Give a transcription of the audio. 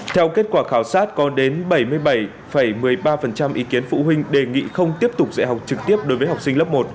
theo kết quả khảo sát có đến bảy mươi bảy một mươi ba ý kiến phụ huynh đề nghị không tiếp tục dạy học trực tiếp đối với học sinh lớp một